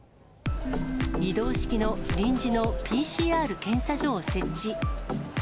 移動式の臨時のＰＣＲ検査所を設置。